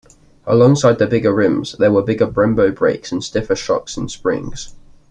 Alongside the bigger rims, there were bigger Brembo brakes and stiffer shocks and springs.